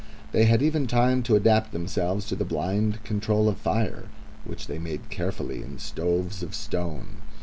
They had even time to adapt themselves to the blind control of fire, which they made carefully in stoves of stone.